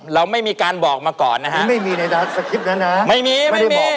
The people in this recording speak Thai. เราไม่มีการบอกมาก่อนนะฮะไม่มีในราชสกิปนั้นนะฮะไม่มีไม่มี